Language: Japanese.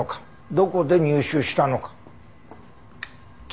どこで入手したのか？